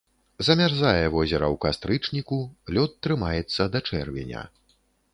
Замярзае возера ў кастрычніку, лёд трымаецца да чэрвеня.